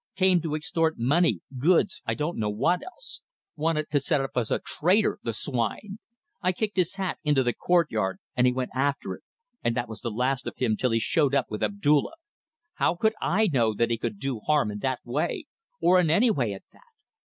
Came to extort money, goods I don't know what else. Wanted to set up as a trader the swine! I kicked his hat into the courtyard, and he went after it, and that was the last of him till he showed up with Abdulla. How could I know that he could do harm in that way? Or in any way at that!